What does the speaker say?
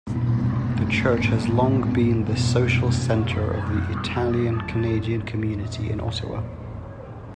The church has long been the social centre of the Italian-Canadian community in Ottawa.